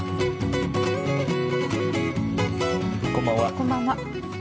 こんばんは。